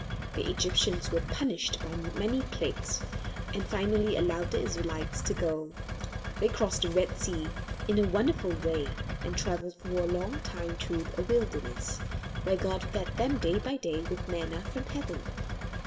The Egyptians were punished by many plagues, and finally allowed the Israelites to go. They crossed the Red Sea in a wonderful way, and traveled for a long time through a wilderness, where God fed them day by day with manna from heaven.